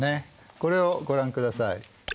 これをご覧ください。